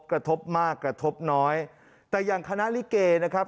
กระทบมากกระทบน้อยแต่อย่างคณะลิเกนะครับ